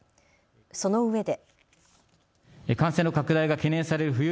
そのうえで。